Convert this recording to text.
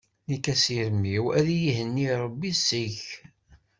Nekk asirem-iw ad iyi-ihenni Rebbi seg-k.